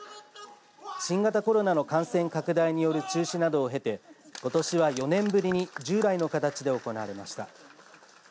新型コロナの感染拡大による中止などを経てことしは４年ぶりに従来の形で行われました。